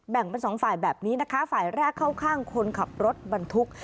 เป็นสองฝ่ายแบบนี้นะคะฝ่ายแรกเข้าข้างคนขับรถบรรทุก